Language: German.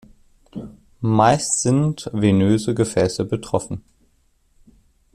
Meist sind venöse Gefäße betroffen.